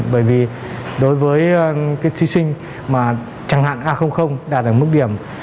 bởi vì đối với cái thí sinh mà chẳng hạn a đạt được mức điểm